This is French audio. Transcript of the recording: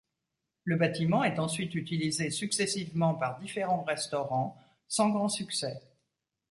Le bâtiment est ensuite utilisé successivement par différents restaurants, sans grand succès.